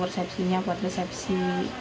resepsinya buat resepsi